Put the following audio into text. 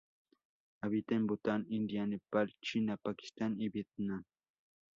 Habita en Bután, India, Nepal, China, Pakistán y Vietnam.